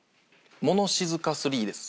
「もの静か３」です。